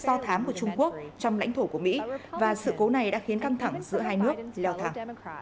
do thám của trung quốc trong lãnh thổ của mỹ và sự cố này đã khiến căng thẳng giữa hai nước leo thẳng